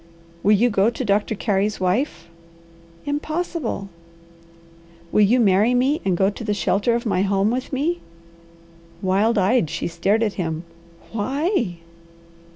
"Will you go to Doctor Carey's wife?" "Impossible!" "Will you marry me and go to the shelter of my home with me?" Wild eyed she stared at him. "Why?"